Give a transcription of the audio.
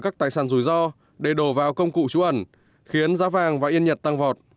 các tài sản rủi ro để đổ vào công cụ trú ẩn khiến giá vàng và yên nhật tăng vọt